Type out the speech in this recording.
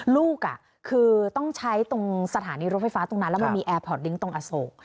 ลูกคือต้องใช้ตรงสถานีรถไฟฟ้าตรงนั้นแล้วมันมีแอร์พอร์ตลิ้งตรงอโศก